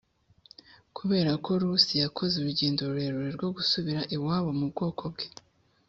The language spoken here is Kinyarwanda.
kubera ko rusi yakoze urugendo rurerure rwo gusubira iwabo mu bwoko bwe